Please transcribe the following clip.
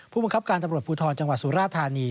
ผู้บังคับการตำรวจภูทรจังหวัดสุราธานี